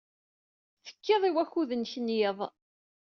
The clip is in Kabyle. Tekkid i wakud-nnek n yiḍes.